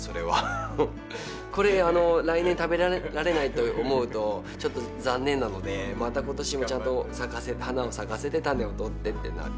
これ来年食べられないと思うとちょっと残念なのでまた今年もちゃんと花を咲かせて種を取ってってなるんですよね。